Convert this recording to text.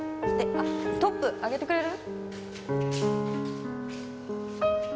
あトップ上げてくれる？